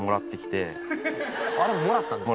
あれもらったんですか？